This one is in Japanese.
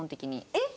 えっ！